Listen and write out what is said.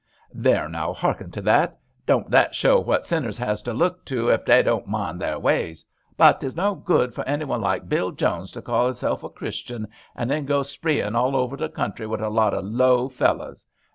" There, now, hearken to that ! Doan*t that show what senners has to look to ef they doan*t mind their ways ? But *tes no good for anyone like Bill Jones to call *iself a Christian and then go spreein* about all over the country wi' a lot o* low fellows.